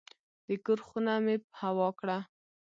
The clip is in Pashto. د کور خونه مې هوا کړه.